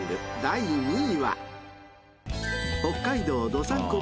第２位は］